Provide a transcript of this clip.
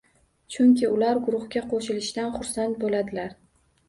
Chunki ular guruhga qo‘shilishdan xursand bo‘ladilar